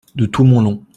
De tout mon long.